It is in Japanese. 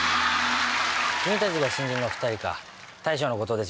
君たちが新人の２人か大将の後藤です